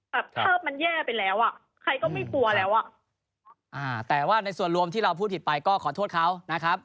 ภาพมันแย่ไปแล้วอ่ะใครก็ไม่กลัวแล้วอ่ะอ่าแต่ว่าในส่วนรวมที่เราพูดผิดไปก็ขอโทษเขานะครับ